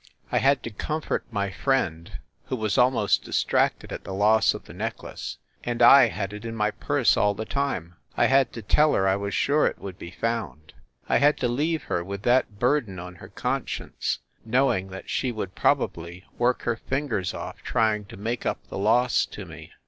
I had to comfort my friend, who was almost distracted at the loss of the necklace and I had it in my purse all the time ! I had to tell her I was sure it would be found I had to leave her with that burden on her conscience knowing that she would probably work her fin gers off trying to make up the loss to me.